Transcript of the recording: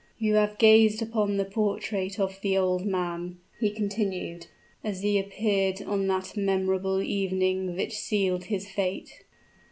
"You have gazed upon the portrait of the old man," he continued, "as he appeared on that memorable evening which sealed his fate!"